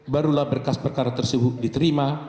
barulah berkas perkara tersebut diterima